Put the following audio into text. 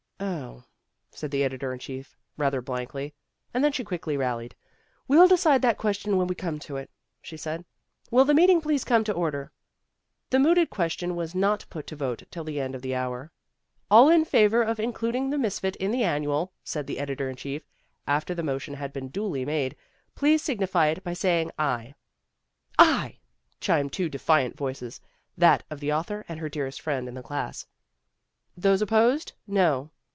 "Oh," said the editor in chief rather blankly, and then she quickly rallied. "We'll decide that question when we come to it," she said. "Will the meeting please come to order." The mooted question was not put to vote till the end of the hour. "All in favor of includ ing 'The Misfit' in the Annual," said the edi tor in chief, after the motion had been duly made, "please signify it by saying 'aye.' "Aye," chimecj. two defiant voices, that of the author and her dearest friend in the class. "Those opposed, 'No.'